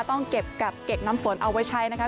ต้องเก็บกับเก็บน้ำฝนเอาไว้ใช้นะคะ